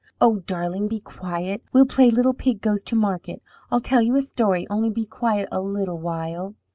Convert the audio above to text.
"Oh, darling, be quiet! We'll play little pig goes to market. I'll tell you a story, only be quiet a little while."